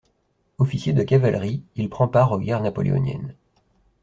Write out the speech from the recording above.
Officier de cavalerie, il prend part aux guerres napoléoniennes.